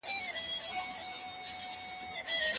زوم دي تر واده مخکي زياتي خبري نکوي.